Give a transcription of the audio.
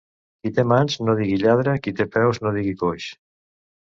Qui té mans no digui lladre, qui té peus no digui coix.